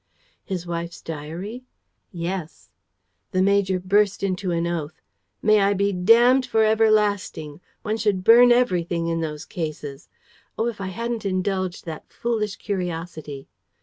"His wife's diary?" "Yes." The major burst into an oath: "May I be damned for everlasting! One should burn everything in those cases. Oh, if I hadn't indulged that foolish curiosity!